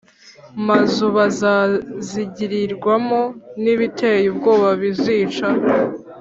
mazu bazazigirirwamo n ibiteye ubwoba Bizica